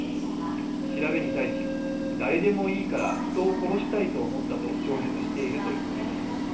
調べに対し誰でもいいから人を殺したいと思ったと供述しているということです。